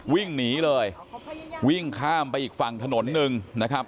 วิ่งหนีเลยวิ่งข้ามไปอีกฝั่งถนนหนึ่งนะครับ